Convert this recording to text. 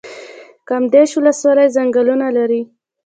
کامدیش ولسوالۍ ځنګلونه لري؟